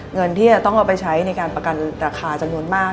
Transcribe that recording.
เงินที่จะต้องเอาไปใช้ในการประกันราคาจำนวนมาก